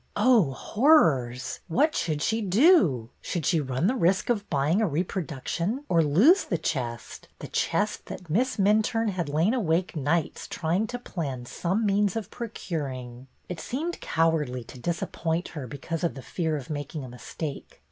Oh, horrors ! What should she do ? Should she run the risk of buying a reproduction, or lose the chest, — the chest that Miss Minturne had lain awake nights trying to plan some means of procuring? It seemed cowardly to disappoint her because of the fear of making a mistake.